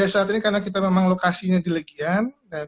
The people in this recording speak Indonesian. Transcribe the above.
saat ini karena kita memang lokasinya di legian